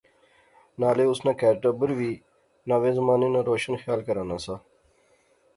نالے اس ناں کہر ٹبر وی ناوے زمانے ناں روشن خیال کہرانہ سا